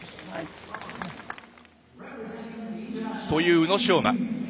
という宇野昌磨。